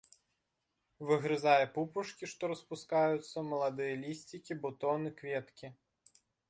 Выгрызае пупышкі, што распускаюцца, маладыя лісцікі, бутоны, кветкі.